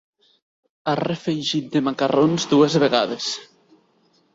Has refegit de macarrons dues vegades.